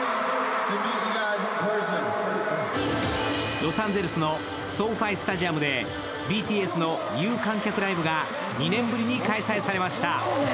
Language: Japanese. ロサンゼルスのＳｏＦｉスタジアムでＢＴＳの有観客ライブが２年ぶりに開催されました。